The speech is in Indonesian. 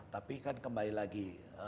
tapi kan kembali lagi